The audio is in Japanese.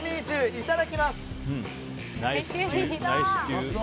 いただきます！